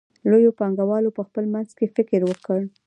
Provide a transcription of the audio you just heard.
لویو پانګوالو په خپل منځ کې فکر وکړ